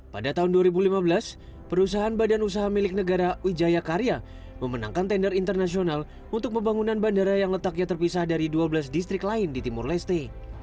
pada tahun dua ribu lima belas perusahaan badan usaha milik negara wijaya karya memenangkan tender internasional untuk pembangunan bandara yang letaknya terpisah dari dua belas distrik lain di timur leste